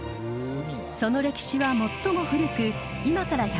その歴史は最も古く今から